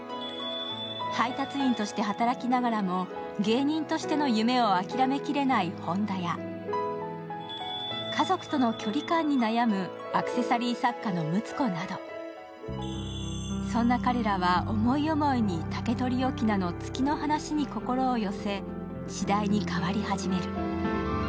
配達員として働きながらも芸人としての夢を諦めきれないホンダや家族との距離感に悩むアクセサリー作家の睦子などそんな彼らは思い思いにタケトリ・オキナのツキの話に心を寄せ、次第に変わり始める。